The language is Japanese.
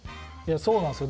そうなんですよ。